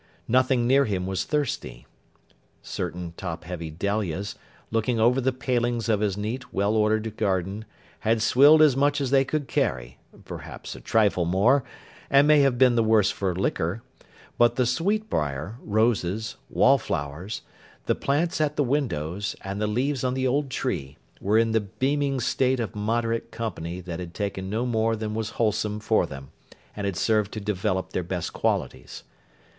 Nothing near him was thirsty. Certain top heavy dahlias, looking over the palings of his neat well ordered garden, had swilled as much as they could carry—perhaps a trifle more—and may have been the worse for liquor; but the sweet briar, roses, wall flowers, the plants at the windows, and the leaves on the old tree, were in the beaming state of moderate company that had taken no more than was wholesome for them, and had served to develop their best qualities.